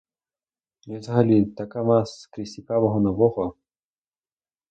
І взагалі така маса скрізь цікавого, нового.